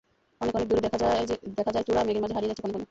অনেক অনেক দূরে দেখা যায় চূড়া, মেঘের মাঝে হারিয়ে যাচ্ছে ক্ষণে ক্ষণে।